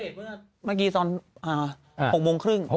อัพเดตเมื่อกี้๖โมงครึ่ง